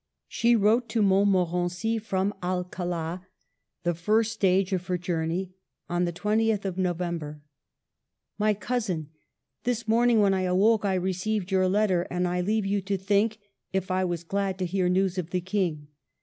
She wrote to Montmorency from Alcala, the THE CAPTIVITY. 107 first stage of her journey, on the 20th of November :— My Cousin, — This morning when I awoke I received your letter, and I leave you to think if I was glad to hear news of the King.